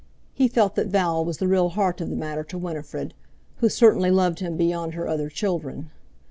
He felt that Val was the real heart of the matter to Winifred, who certainly loved him beyond her other children.